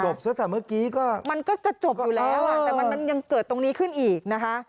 ซะแต่เมื่อกี้ก็มันก็จะจบอยู่แล้วอ่ะแต่มันมันยังเกิดตรงนี้ขึ้นอีกนะคะ